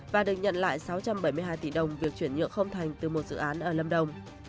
và được nhận lại sáu trăm bảy mươi hai tỷ đồng việc chuyển nhượng không thành từ một dự án ở lâm đồng